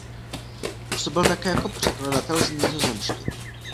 Působil také jako překladatel z nizozemštiny.